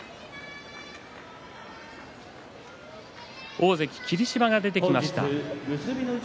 大関霧島が出てきました。